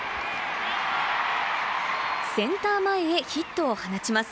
センター前へヒットを放ちます。